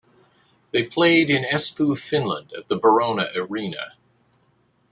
They played in Espoo, Finland, at the Barona Areena.